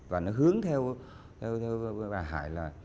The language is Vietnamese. và nó hướng theo bà hải là